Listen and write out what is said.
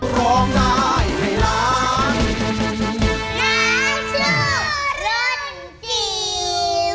ร้องทายให้ร้าง